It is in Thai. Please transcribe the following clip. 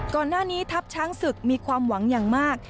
ก่อนหน้านี้ทัพช้างศึกมีความหวังอย่างมาก